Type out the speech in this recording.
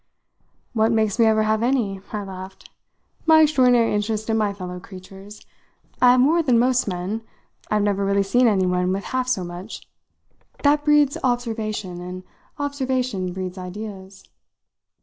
"What makes me ever have any?" I laughed. "My extraordinary interest in my fellow creatures. I have more than most men. I've never really seen anyone with half so much. That breeds observation, and observation breeds ideas.